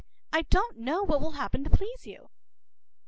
I do not know what will happen to please you.